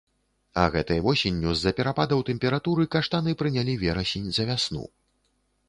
А гэтай восенню, з-за перападаў тэмпературы, каштаны прынялі верасень за вясну.